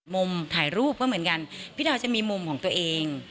ถ่ายรูปก็เหมือนกันพี่ดาวจะมีมุมของตัวเอง